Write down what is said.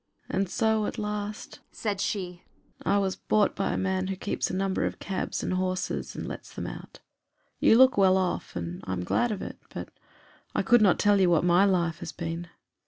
"And so at last," said she, "I was bought by a man who keeps a number of cabs and horses, and lets them out. You look well off, and I am glad of it, but I could not tell you what my life has been.